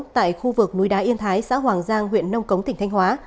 tại khu vực núi đá yên thái xã hoàng giang huyện nông cống tỉnh thanh hóa